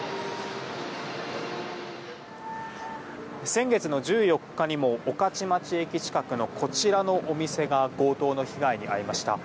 先月の１４日にも御徒町駅近くのこちらのお店が強盗の被害に遭いました。